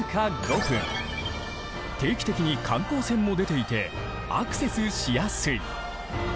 定期的に観光船も出ていてアクセスしやすい。